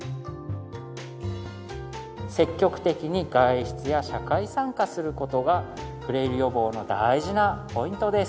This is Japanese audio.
積極的に外出や社会参加する事がフレイル予防の大事なポイントです。